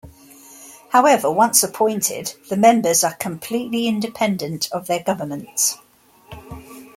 However, once appointed, the members are completely independent of their governments.